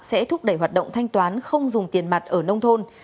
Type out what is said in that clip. sẽ thúc đẩy hoạt động thanh toán không dùng tiền mặt ở nông thôn